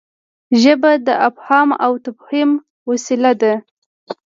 ژبه د افهام او تفهيم وسیله ده.